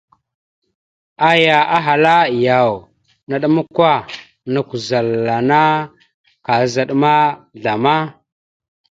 Aya ahala: « Yaw, naɗmakw a nakw zal anna, kaazaɗ ma zlama? ».